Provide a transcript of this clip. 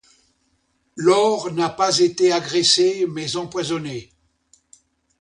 Laure n'a pas été agressée, mais empoisonnée.